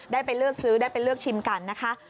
ได้ไปเลือกซื้อได้ไปเลือกชิมกันนะคะ